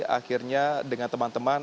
akhirnya dengan teman teman